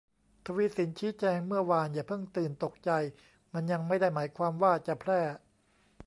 ทวีศิลป์ชี้แจงเมื่อวาน อย่าเพิ่งตื่นตกใจ มันยังไม่ได้หมายความว่าจะแพร่